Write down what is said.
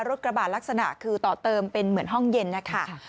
กระบาดลักษณะคือต่อเติมเป็นเหมือนห้องเย็นนะคะ